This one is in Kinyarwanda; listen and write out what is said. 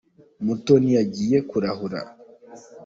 mutoni yagiye kurahura